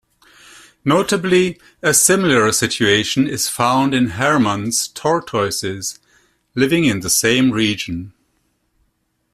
Notably, a similar situation is found in Hermann's tortoises living in the same region.